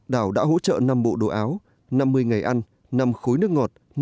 đảo đã hỗ trợ năm bộ đồ áo năm mươi ngày ăn năm khối nước ngọt